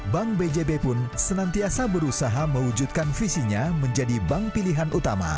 bank bjb pun senantiasa berusaha mewujudkan visinya menjadi bank pilihan utama